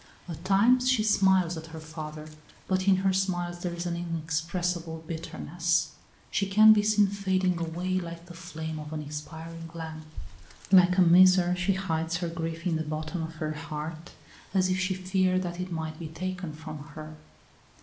At times she smiles at her father, but in her smiles there is an inexpressible bitterness. She can be seen fading away, like the flame of an expiring lamp. Like a miser she hides her grief in the bottom of her heart, as if she feared that it might be taken from her.